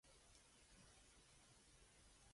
The yamen building is made up of three halls.